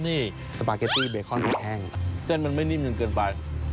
นี่สปาเกตตี้เบคอนมันแห้งเส้นมันไม่นิ่มจนเกินไป